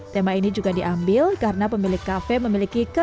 tema ini juga diambil karena pemilik cafe memiliki ketentuan